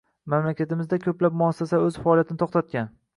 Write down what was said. Mamlakatimizda koʻplab muassasalar oʻz faoliyatini toʻxtatgan